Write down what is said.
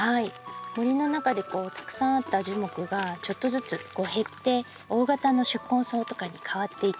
森の中でたくさんあった樹木がちょっとずつ減って大型の宿根草とかにかわっていきます。